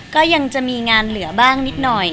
ก็ยังจะมีงานเหลือกันเลือกนิดหน่อย